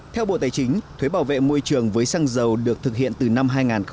theo bộ tài chính thuế bảo vệ môi trường với xăng dầu được thực hiện từ năm hai nghìn một mươi